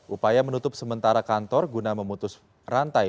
upaya menutup sementara kantor guna memutus rantai